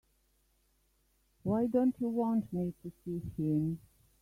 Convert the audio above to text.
Why don't you want me to see him?